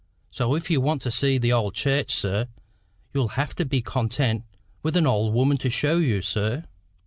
So if you want to see the old church, sir, you'll have to be content with an old woman to show you, sir."